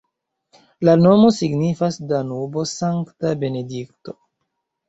La nomo signifas Danubo-Sankta Benedikto.